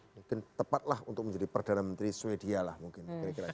mungkin tepatlah untuk menjadi perdana menteri swedia lah mungkin